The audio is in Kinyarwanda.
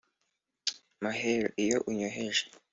Mahero iyo unyoheje